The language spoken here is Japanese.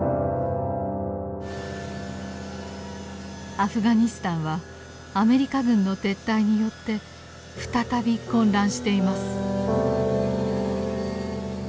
アフガニスタンはアメリカ軍の撤退によって再び混乱しています。